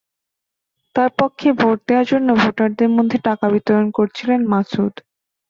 তাঁর পক্ষে ভোট দেওয়ার জন্য ভোটারদের মধ্যে টাকা বিতরণ করছিলেন মাসুদ।